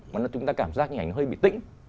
mà chúng ta cảm giác những hình ảnh nó hơi bị tĩnh